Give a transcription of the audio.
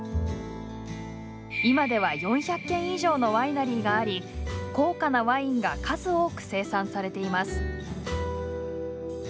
今では４００軒以上のワイナリーがあり高価なワインが数多く生産されています。